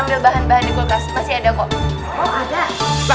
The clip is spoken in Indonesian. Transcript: yaudah sekarang ini aja deh